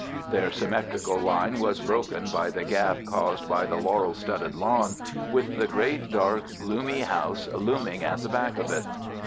Their symmetrical line was broken by the gap caused by the laurel studded lawn, with the great, dark, gloomy house looming at the back of it.